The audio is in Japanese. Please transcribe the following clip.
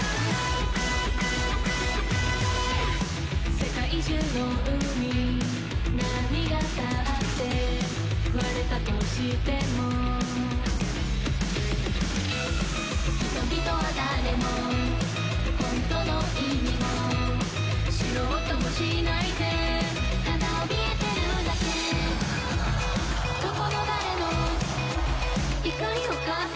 世界中の海波が立って割れたとしても人々は誰も本当の意味を知ろうともしないでただ怯えてるだけどこの誰の怒りを買った？